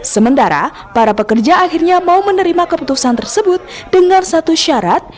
sementara para pekerja akhirnya mau menerima keputusan tersebut dengan satu syarat